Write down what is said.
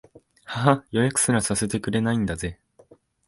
ははっ、予約すらさせてくれないんだぜ